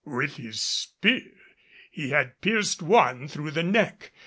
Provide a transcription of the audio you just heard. With his spear he had pierced one through the neck.